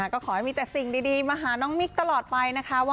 ก็ขอให้มีแต่สิ่งดีมาหาน้องมิ๊กตลอดไปนะคะ